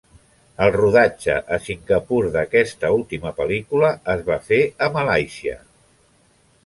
El rodatge a Singapur d'aquesta última pel·lícula es va fer a Malàisia.